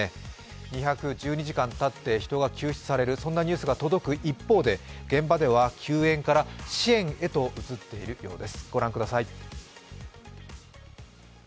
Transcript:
２１２時間たって人が救出されるニュースが届く一方で現場では救援から支援へと移っているようです。